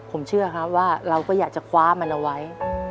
ผมเชื่อครับว่าเราก็อยากจะคว้ามันเอาไว้